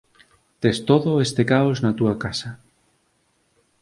Tes todo este caos na túa casa.